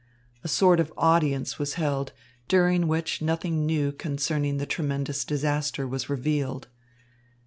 A sort of audience was held, during which nothing new concerning the tremendous disaster was revealed.